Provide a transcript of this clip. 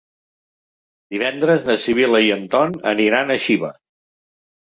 Divendres na Sibil·la i en Ton aniran a Xiva.